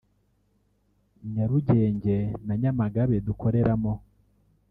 Nyarugenge na Nyamagabe dukoreramo